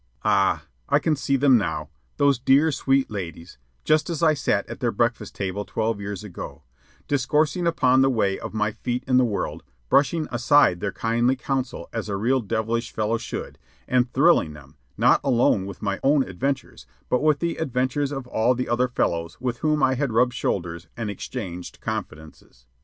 Ah, I can see them now, those dear, sweet ladies, just as I sat at their breakfast table twelve years ago, discoursing upon the way of my feet in the world, brushing aside their kindly counsel as a real devilish fellow should, and thrilling them, not alone with my own adventures, but with the adventures of all the other fellows with whom I had rubbed shoulders and exchanged confidences.